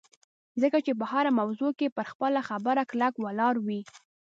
ځکه چې په هره موضوع کې پر خپله خبره کلک ولاړ وي